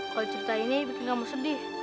kalau cerita ini bikin kamu sedih